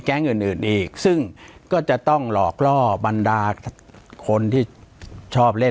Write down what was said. ปากกับภาคภูมิ